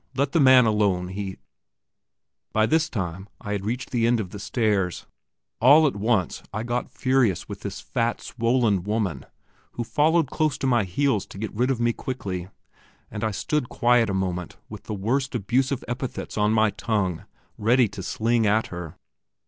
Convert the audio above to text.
Let the man alone; he " By this time I had reached the end of the stairs. All at once I got furious with this fat, swollen woman, who followed close to my heels to get rid of me quickly, and I stood quiet a moment with the worst abusive epithets on my tongue ready to sling at her.